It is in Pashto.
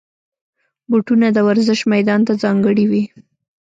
بوټونه د ورزش میدان ته ځانګړي وي.